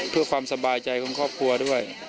เพื่อความสบายใจของครอบครัวด้วย